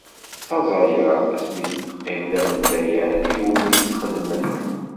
Taẓayert asmi i d-teqqim d amendayer iwumi tt-xeddmen.